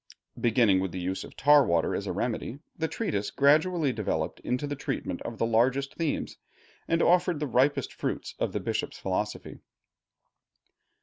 Beginning with the use of tar water as a remedy, the treatise gradually developed into the treatment of the largest themes, and offered the ripest fruits of the Bishop's philosophy.